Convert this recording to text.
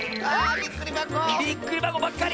びっくりばこばっかり！